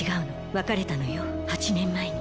別れたのよ８年前に。